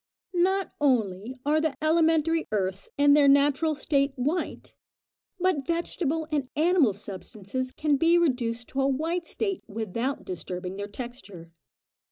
Not only are the elementary earths in their natural state white, but vegetable and animal substances can be reduced to a white state without disturbing their texture.